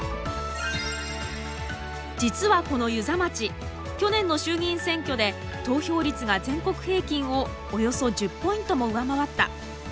実はこの遊佐町去年の衆議院選挙で投票率が全国平均をおよそ１０ポイントも上回った。